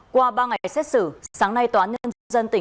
qua ba ngày xét xử sáng nay tòa án nhân dân tỉnh phú yên đã đặt tài sản